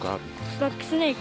バックスネイク。